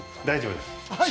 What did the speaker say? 大丈夫です。